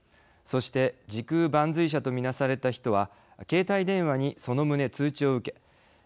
そして時空伴随者とみなされた人は携帯電話にその旨通知を受け